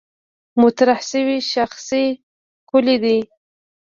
مطرح شوې شاخصې کُلي دي.